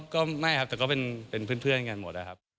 ก็ไม่ครับแต่ก็เป็นเพื่อนกันหมดนะครับ